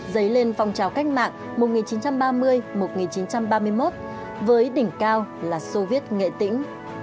dấy lên phong trào cách mạng một nghìn chín trăm ba mươi một nghìn chín trăm ba mươi một với đỉnh cao là soviet nghệ tĩnh